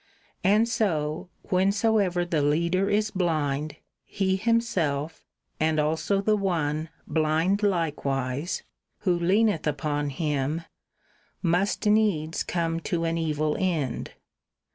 And ■'' so, whensoever the leader is blind, he himself, and also the one, blind likewise, who ] leaneth upon him, must needs come to an evil end.